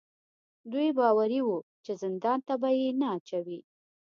دوی باوري وو چې زندان ته به یې نه اچوي.